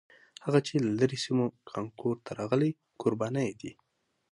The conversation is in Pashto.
هغه چې له لرې سیمو کانکور ته راغلي کوربانه یې دي.